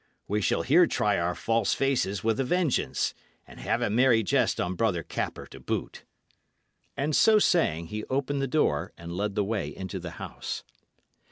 We shall here try our false faces with a vengeance, and have a merry jest on Brother Capper to boot." And so saying, he opened the door and led the way into the house.